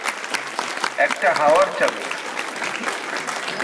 একটা হাওয়ার চাবি।